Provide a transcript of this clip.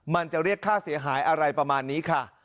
มันจะเรียกค่าเสียหายอะไรประมาณนี้ค่ะ